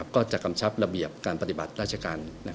กำชับระเบียบการปฏิบัติราชการ